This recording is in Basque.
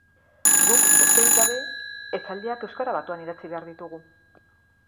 Guk, besterik gabe, esaldiak euskara batuan idatzi behar ditugu.